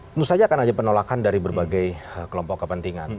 tentu saja akan ada penolakan dari berbagai kelompok kepentingan